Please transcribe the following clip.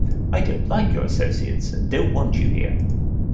I don't like your associates and don't want you here.